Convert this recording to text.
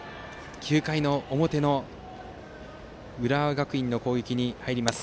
９回の表の浦和学院の攻撃に入ります。